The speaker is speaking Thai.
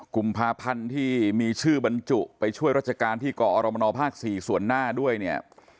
กุมภาพันธ์ที่มีชื่อบรรจุไปช่วยราชการที่กอรมนภ๔ส่วนหน้าด้วยเนี่ย